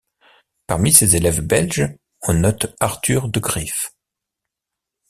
Parmi ses élèves belges, on note Arthur De Greef.